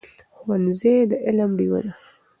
ښوونځی د علم ډېوه ده.